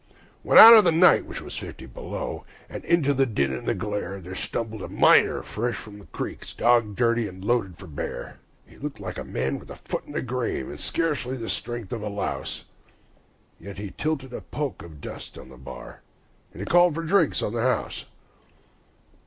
When out of the night, which was fifty below, and into the din and the glare, There stumbled a miner fresh from the creeks, dog dirty, and loaded for bear. He looked like a man with a foot in the grave and scarcely the strength of a louse, Yet he tilted a poke of dust on the bar, and he called for drinks for the house.